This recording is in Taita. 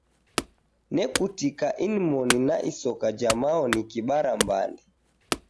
Nekutika inmoni na isoka ja mao nikibara mbande